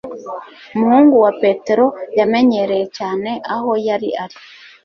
Umuhungu we Petero yamenyereye cyane aho yari ari